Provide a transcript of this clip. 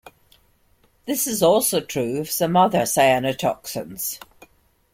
This is also true of some other cyanotoxins.